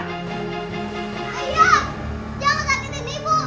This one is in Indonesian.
jangan sakitin ibu